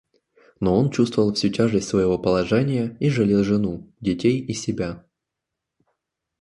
Но он чувствовал всю тяжесть своего положения и жалел жену, детей и себя.